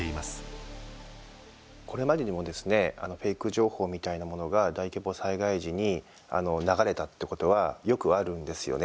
情報みたいなものが大規模災害時に流れたってことはよくあるんですよね。